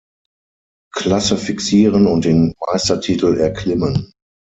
Klasse fixieren und den Meistertitel erklimmen.